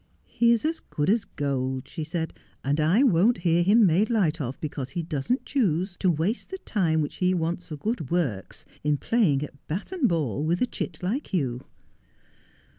' He is as good as gold,' she said, ' and I won't hear him made light of because he doesn't choose to waste the time which he wants for good works in playing at bat and ball with a chit like you.'